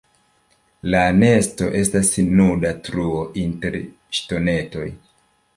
La nesto estas nuda truo inter ŝtonetoj.